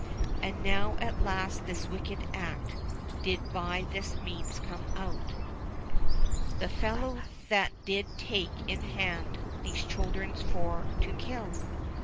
And now at last this wicked act Did by this means come out, The fellow that did take in hand These children for to kill.